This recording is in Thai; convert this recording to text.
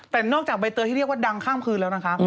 แต่นอกจากใบเตยที่เรียกว่าดังข้ามคืนแล้วนะคะ